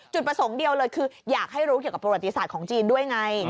จุดประสงค์เดียวเลยคืออยากให้รู้เกี่ยวกับประวัติศาสตร์ของจีนด้วยไง